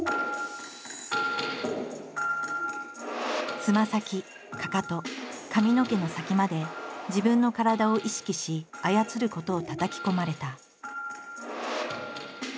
つま先かかと髪の毛の先まで自分の体を意識し操ることをたたき込まれた。